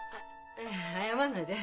あっ謝んないで。